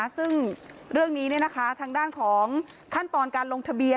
ซึ่งเรื่องนี้ทางด้านของขั้นตอนการลงทะเบียน